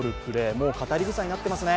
もう語りぐさになっていますね。